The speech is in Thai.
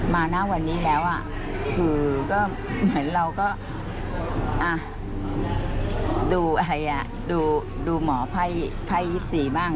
มานะวันนี้แล้วคือเหมือนเราก็ดูหมอภัย๒๔บ้าง